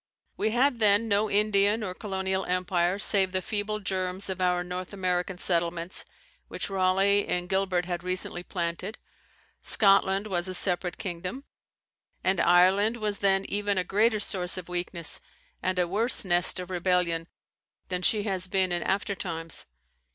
We had then no Indian or Colonial Empire save the feeble germs of our North American settlements, which Raleigh and Gilbert had recently planted. Scotland was a separate kingdom; and Ireland was then even a greater source of weakness, and a worse nest of rebellion than she has been in after times.